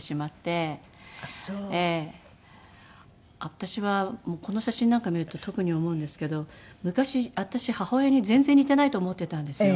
私はもうこの写真なんか見ると特に思うんですけど昔私母親に全然似てないと思ってたんですよ。